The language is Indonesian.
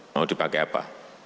mau dipakai apa